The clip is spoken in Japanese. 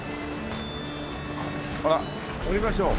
ほら降りましょう。